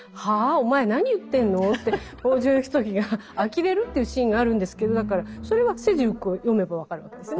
お前何言ってんのって北条義時があきれるというシーンがあるんですけどそれはセジウィックを読めば分かるわけですね。